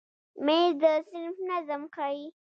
مېز د صنف نظم ښیي.